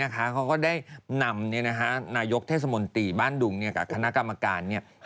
เขาก็ได้นำนายกเทศมนตรีบ้านดุงกับคณะกรรมการ